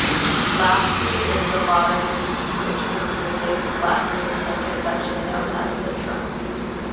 Lastly is the bottoms which includes a flattened center section known as the trunk.